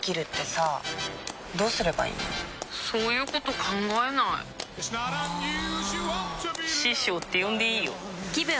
そういうこと考えないあ師匠って呼んでいいよぷ